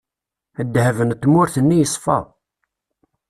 Ddheb n tmurt-nni yeṣfa.